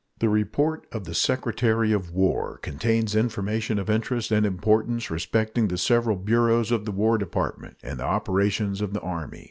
The report of the Secretary of War contains information of interest and importance respecting the several bureaus of the War Department and the operations of the Army.